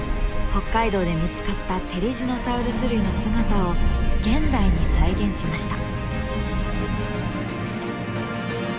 北海道で見つかったテリジノサウルス類の姿を現代に再現しました。